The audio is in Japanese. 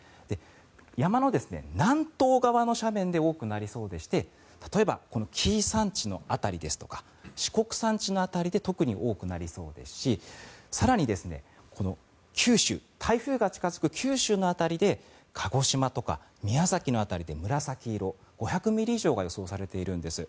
山の南東側の斜面で多くなりそうでして例えばこの紀伊山地の辺りですとか四国山地の辺りで特に多くなりそうですし更に、九州台風が近付く九州の辺りで鹿児島とか宮崎の辺りで紫色、５００ミリ以上が予想されているんです。